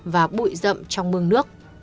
và bụi rậm trong mương nước